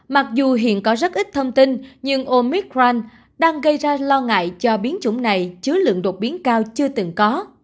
mặc dù hiện có rất ít thông tin nhưng omic ran đang gây ra lo ngại cho biến chủng này chứa lượng đột biến cao chưa từng có